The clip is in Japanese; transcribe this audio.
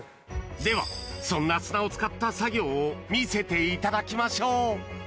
では、そんな砂を使った作業を見せていただきましょう。